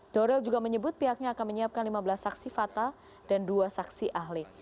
dorel juga menyebut pihaknya akan menyiapkan lima belas saksi fatal dan dua saksi ahli